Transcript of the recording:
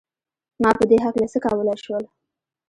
ما په دې هکله څه کولای شول؟